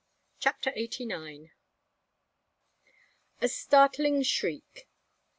CHAPTER EIGHTY NINE. A STARTLING SHRIEK.